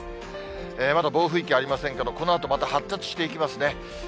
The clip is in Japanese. まだ暴風域ありませんけど、このあと、また発達していきますね。